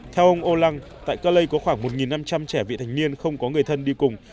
theo ông olan tại cali có khoảng một năm trăm linh trẻ vị thành niên không có người thân đi cùng